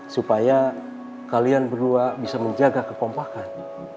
supaya kalian berdua bisa menjaga kekompakan